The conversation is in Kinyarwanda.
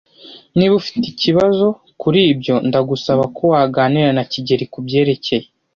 Niba ufite ikibazo kuri ibyo, ndagusaba ko waganira na kigeli kubyerekeye.